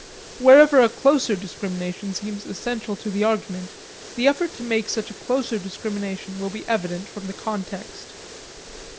Wherever a closer discrimination seems essential to the argument, the effort to make such a closer discrimination will be evident from the context.